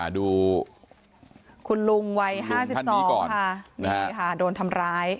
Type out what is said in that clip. ดูคุณลุงวัย๕๒ค่ะโดนทำร้าย